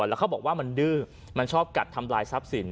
แล้วเขาบอกว่ามันดื้อมันชอบกัดทำลายทรัพย์สิน